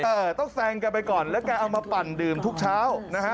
เออต้องแซงแกไปก่อนแล้วแกเอามาปั่นดื่มทุกเช้านะฮะ